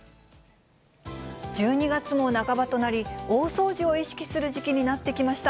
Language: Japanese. １２月も半ばとなり、大掃除を意識する季節になってきました。